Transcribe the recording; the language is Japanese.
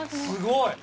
すごい！